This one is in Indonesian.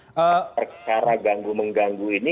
secara ganggu mengganggu ini